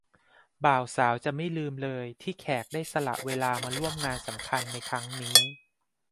บ่าวสาวจะไม่ลืมเลยที่แขกได้สละเวลามาร่วมงานสำคัญในครั้งนี้